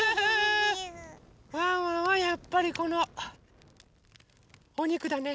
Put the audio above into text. ワンワンはやっぱりこのおにくだね。